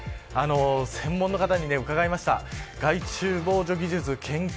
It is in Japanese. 専門家の方に伺いました。